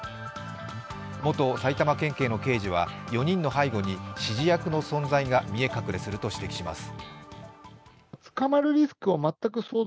元埼玉県警の刑事は４人の背後に指示役の存在が見え隠れすると指摘します。